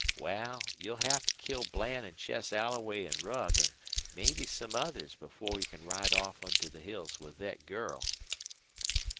"Wal, you'll have to kill Bland an' Chess Alloway an' Rugg, an' mebbe some others, before you can ride off into the hills with thet girl."